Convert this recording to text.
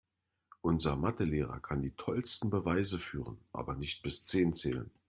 Unser Mathe-Lehrer kann die tollsten Beweise führen, aber nicht bis zehn zählen.